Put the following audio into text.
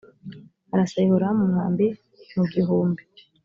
arasa yehoramu umwambi mu gihumbi